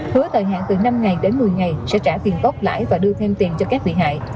hứa thời hạn từ năm ngày đến một mươi ngày sẽ trả tiền góp lãi và đưa thêm tiền cho các vị hại